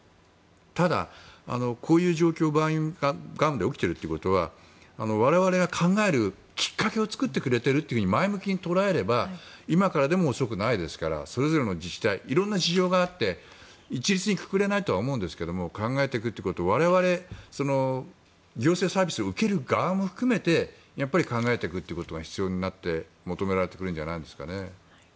ただ、こういう状況が起きているということは我々が考えるきっかけを作ってくれていると前向きに捉えれば今からでも遅くないですからそれぞれの自治体色んな事情があって一律にくくれないとは思うんですが考えていくということは我々行政サービスを受ける側も含めてやはり考えていくということが求められてくるんじゃないですかね。